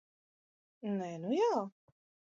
Nē, nu jā!